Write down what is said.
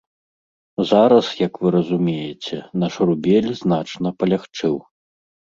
Зараз, як вы разумееце, наш рубель значна палягчэў.